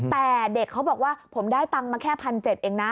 แต่เด็กเขาบอกว่าผมได้ตังค์มาแค่๑๗๐๐เองนะ